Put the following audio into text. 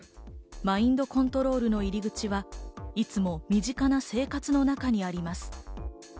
マインドコントロールの入り口はいつも身近な生活の中にあります。